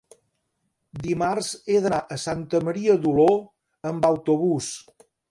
dimarts he d'anar a Santa Maria d'Oló amb autobús.